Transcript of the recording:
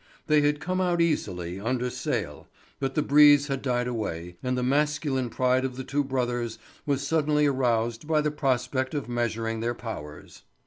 They had come out easily, under sail, but the breeze had died away, and the masculine pride of the two brothers was suddenly aroused by the prospect of measuring their powers.